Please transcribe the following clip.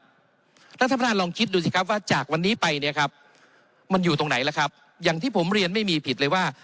ท่านประธานลองคิดดูสิครับว่าจากวันนี้ไปเนี่ยครับมันอยู่ตรงไหนล่ะครับอย่างที่ผมเรียนไม่มีผิดเลยว่า